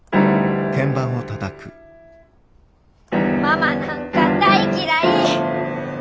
ママなんか大嫌い！